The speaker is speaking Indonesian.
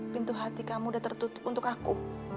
pintu hati kamu udah tertutup untuk aku